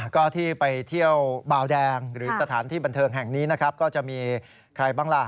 ก็ที่ไปเที่ยวบาวแดงหรือสถานที่บันเทิงแห่งนี้นะครับก็จะมีใครบ้างล่ะ